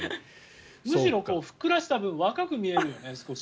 むしろふっくらした分若く見えるよね。